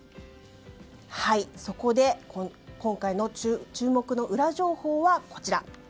そこで今回の注目のウラ情報はこちら。